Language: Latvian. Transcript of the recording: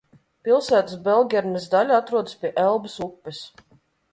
Pilsētas Belgernes daļa atrodas pie Elbas upes.